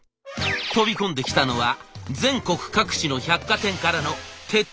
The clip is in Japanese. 飛び込んできたのは全国各地の百貨店からの撤退勧告。